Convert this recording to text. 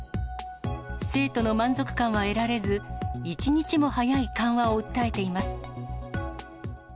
生徒の満足感は得られず、一日も早い緩和を訴えています。